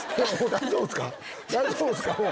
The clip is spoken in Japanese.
大丈夫っすか？